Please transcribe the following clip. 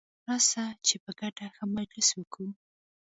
راسه چي په ګډه ښه مجلس وکو.